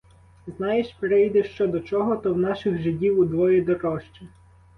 Знаєш, прийде що до чого, то в наших жидів удвоє дорожче.